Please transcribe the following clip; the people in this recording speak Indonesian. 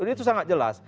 itu sangat jelas